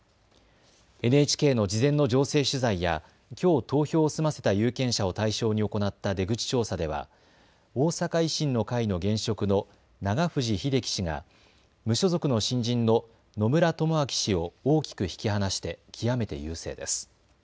ＮＨＫの事前の情勢取材やきょう投票を済ませた有権者を対象に行った出口調査では大阪維新の会の現職の永藤英機氏が無所属の新人の野村友昭氏を大きく引き離して極めて優勢です。